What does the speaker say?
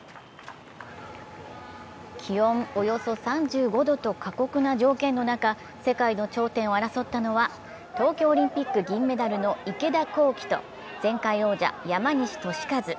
気温およそ３５度と過酷な条件の中、世界の頂点を争ったのは東京オリンピック銀メダルの池田向希と前回王者・山西利和。